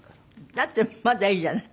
だってまだいいじゃない。